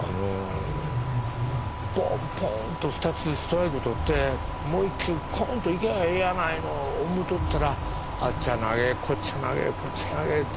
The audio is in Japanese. ポンポンと２つストライク取ってもう一球コンといきゃええやないの思とったらあっちゃ投げこっちゃ投げこっち投げって。